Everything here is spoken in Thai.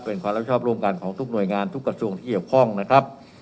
เป็นความรับผิดชอบร่วมกันของทุกหน่วยงานทุกกระทรวงที่เกี่ยวข้องนะครับ